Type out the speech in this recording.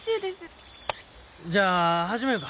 じゃあ始みょうか。